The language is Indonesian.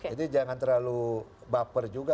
jadi jangan terlalu baper juga